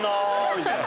みたいな。